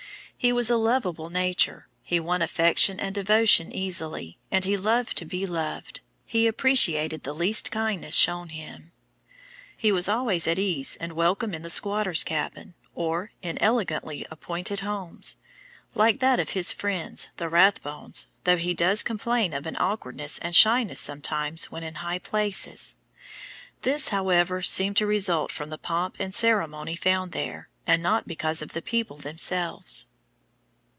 His was a lovable nature he won affection and devotion easily, and he loved to be loved; he appreciated the least kindness shown him. He was always at ease and welcome in the squatter's cabin or in elegantly appointed homes, like that of his friends, the Rathbones, though he does complain of an awkwardness and shyness sometimes when in high places. This, however, seemed to result from the pomp and ceremony found there, and not because of the people themselves.